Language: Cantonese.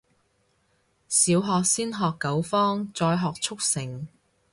小學先學九方，再學速成